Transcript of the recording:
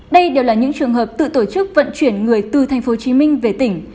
đây đều là những trường hợp tự tổ chức vận chuyển người từ thành phố hồ chí minh về tỉnh